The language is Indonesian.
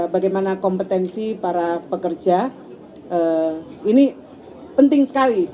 bagaimana kompetensi para pekerja ini penting sekali